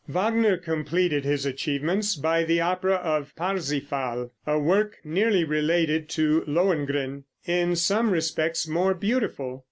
Wagner completed his achievements by the opera of "Parsifal" a work nearly related to "Lohengrin" in some respects more beautiful.